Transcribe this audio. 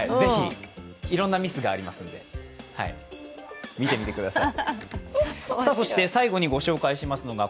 いろんなミスがありますんで見てみてください。